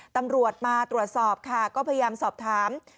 ตำรวจมาตรวจสอบค่ะก็พยายามสอบถาม